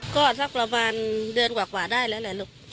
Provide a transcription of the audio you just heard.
ก็สักประมาณเดือนกว่าได้แล้วแหละลูก